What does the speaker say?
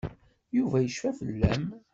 Yuba yecfa fell-am.